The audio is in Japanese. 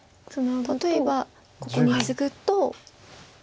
例えばここにツグと。